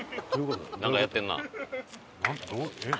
なんかやってんな。